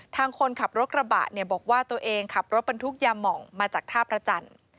ทางคนขับรถกระบะเนี่ยบอกว่าตัวเองขับรถบรรทุกยามองมาจากท่าพระจันทร์